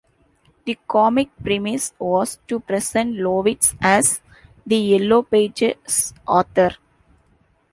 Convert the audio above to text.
The comic premise was to present Lovitz as the Yellow Pages' author.